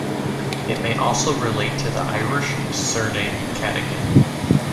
It may also relate to the Irish surname "Cadigan".